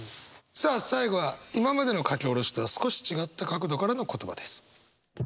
さあ最後は今までの書き下ろしとは少し違った角度からの言葉です。